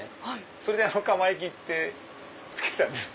それで釜焼って付けたんです。